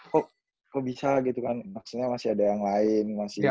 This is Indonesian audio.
kok bisa gitu kan maksudnya masih ada yang lain